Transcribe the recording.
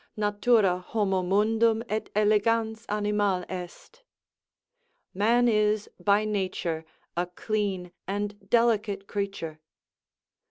"Naturt homo mundum et elegans animal est." ["Man is by nature a clean and delicate creature."